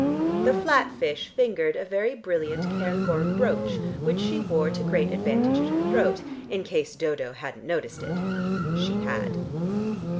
The flat fish fingered a very brilliant cairngorm brooch, which she wore to great advantage at her throat, in case Dodo hadn't noticed it. (She had).